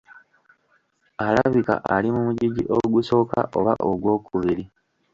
Alabika ali mu mugigi ogusooka oba ogwokubiri.